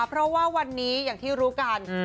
เพราะว่าวันนี้อย่างที่รู้กัน